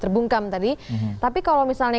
terbungkam tadi tapi kalau misalnya